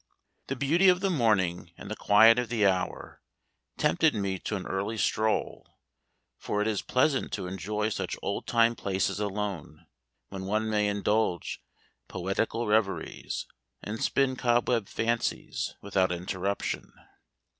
The beauty of the morning, and the quiet of the hour, tempted me to an early stroll; for it is pleasant to enjoy such old time places alone, when one may indulge poetical reveries, and spin cobweb fancies, without interruption.